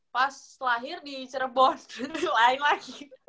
pas lahir di cirebon lain lagi